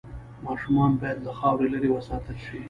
ماشومان باید له خاورو لرې وساتل شي۔